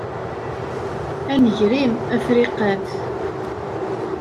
A nnger-im, a Friqat!